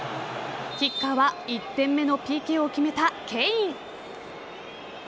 キッカーは１点目のＰＫを決めたケイン。